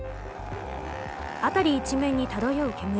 辺り一面に漂う煙。